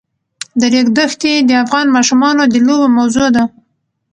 د ریګ دښتې د افغان ماشومانو د لوبو موضوع ده.